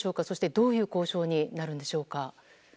そしてどういう交渉になるのでしょうか。